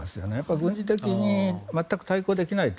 軍事的に全く対抗できないと。